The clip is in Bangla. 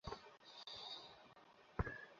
পেয়ে গেছি ওকে!